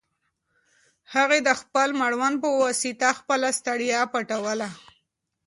هغې د خپل مړوند په واسطه خپله ستړیا پټوله.